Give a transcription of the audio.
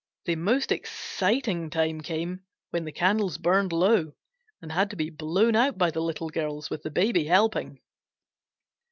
The most exciting time came when the candles burned low and had to be blown out by the Little Girls, with the Baby helping.